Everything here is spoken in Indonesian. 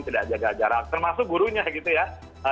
tidak jaga jarak termasuk gurunya gitu ya